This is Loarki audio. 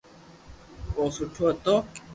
او سٺو ھتو